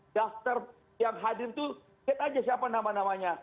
daftar yang hadir itu lihat aja siapa nama namanya